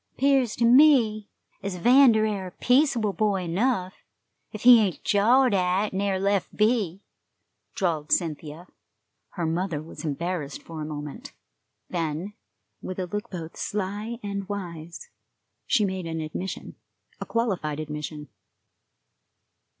"'Pears like ter me ez 'Vander air a peaceable boy enough, ef he ain't jawed at an' air lef' be," drawled Cynthia. Her mother was embarrassed for a moment. Then, with a look both sly and wise, she made an admission a qualified admission.